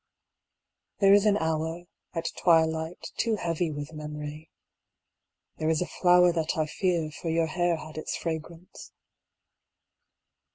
There is an hour, at twilight, too heavy with memory. There is a flower that I fear, for your hair had its fragrance.